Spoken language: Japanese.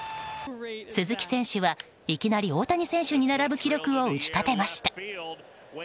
鈴木選手はいきなり大谷選手に並ぶ記録を打ち立てました。